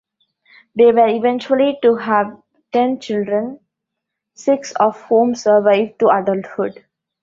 They were eventually to have ten children, six of whom survived to adulthood.